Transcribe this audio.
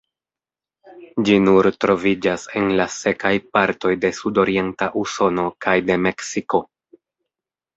Ĝi nur troviĝas en la sekaj partoj de sudorienta Usono kaj de Meksiko.